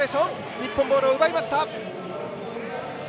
日本ボールを奪いました。